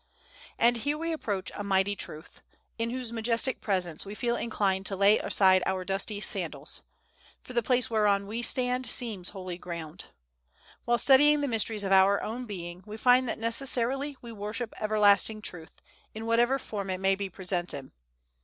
And here we approach a mighty truth, in whose majestic presence we feel inclined to lay aside our dusty sandals; for the place whereon we stand seems holy ground. While studying the mysteries of our own being, we find that necessarily we worship Everlasting Truth, in whatever form it may be presented.